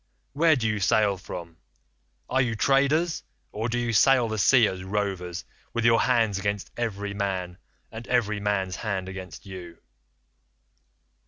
Where do sail from? Are you traders, or do you sail the sea as rovers, with your hands against every man, and every man's hand against you?